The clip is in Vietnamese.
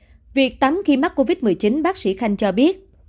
trước khi mắc covid một mươi chín bác sĩ khanh cho biết